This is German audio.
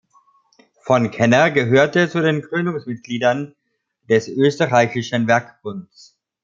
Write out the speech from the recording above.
Von Kenner gehörte zu den Gründungsmitgliedern des Österreichischen Werkbunds.